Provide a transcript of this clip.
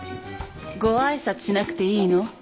ご挨拶しなくていいの？